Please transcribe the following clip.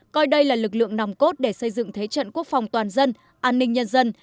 coi đây là lực lượng nòng cốt để xây dựng thế trận quốc phòng toàn dân an ninh nhân dân